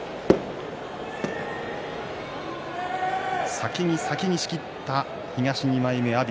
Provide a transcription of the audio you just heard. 先に先に仕切った東の２枚目阿炎